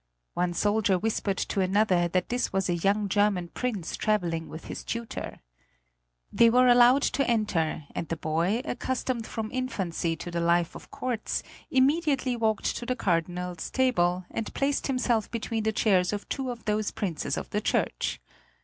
One soldier whispered to another that this was a young German prince traveling with his tutor. They were allowed to enter, and the boy, accustomed from infancy to the life of courts, immediately walked to the Cardinals' table, and placed himself between the chairs of two of those Princes of the Church.